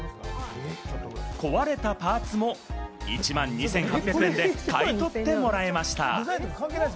壊れたパーツも１万２８００円で買い取ってもらえました。